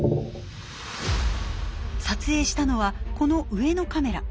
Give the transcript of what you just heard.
撮影したのはこの上のカメラ。